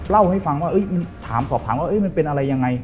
เล่าให้ฟังว่ามันถามสอบถามว่ามันเป็นอะไรยังไง